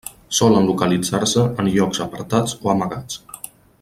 Solen localitzar-se en llocs apartats o amagats.